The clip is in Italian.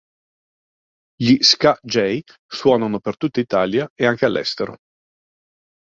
Gli Ska-J suonano per tutta Italia e anche all'estero.